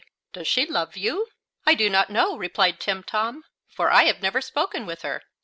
Does she love you?" "I do not know," replied Timtom, "for I have never spoken with her."